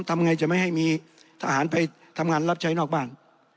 ทำไงจะไม่ให้มีทหารไปทำงานรับใช้นอกบ้าน